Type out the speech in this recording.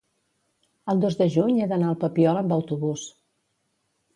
el dos de juny he d'anar al Papiol amb autobús.